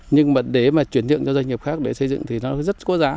nhưng mà để mà chuyển nhượng cho doanh nghiệp khác để xây dựng thì nó rất có giá